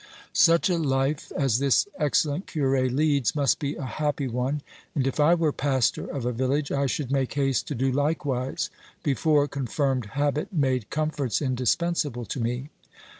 Such a life as this excellent cure leads must be a happy one, and if I were pastor of a village I should make haste to do likewise, before confirmed habit made comforts indispensable to me.